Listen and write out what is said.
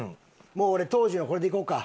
もう俺当時のこれでいこうか。